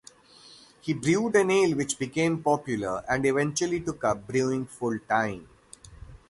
He brewed an ale which became popular, and eventually took up brewing full-time.